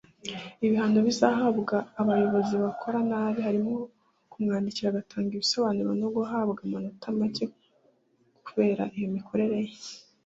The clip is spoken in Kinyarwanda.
Ibihano bizahabwa abayobozi bakora nabi harimo kumwandikira agatanga ibisobanuro no guhabwa amanota make kubera iyo mikorere ye